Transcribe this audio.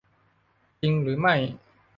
จริงหรือไม่ ?